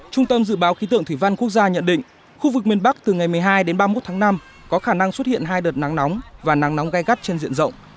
trung tâm dự báo khí tượng thủy văn quốc gia nhận định khu vực miền bắc từ ngày một mươi hai đến ba mươi một tháng năm có khả năng xuất hiện hai đợt nắng nóng và nắng nóng gai gắt trên diện rộng